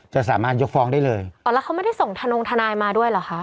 จะสามารถยกฟ้องได้เลยอ๋อแล้วเขาไม่ได้ส่งทนงทนายมาด้วยเหรอคะ